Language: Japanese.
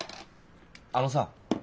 あのさ。